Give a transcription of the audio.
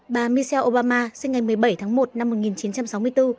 bà michel obama sinh ngày một mươi bảy tháng một năm một nghìn chín trăm sáu mươi bốn